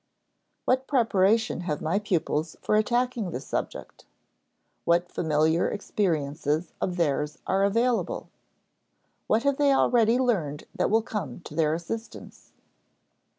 What preparation have my pupils for attacking this subject? What familiar experiences of theirs are available? What have they already learned that will come to their assistance?